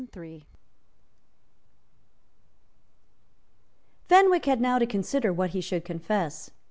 Fenwick had now to consider what he should confess.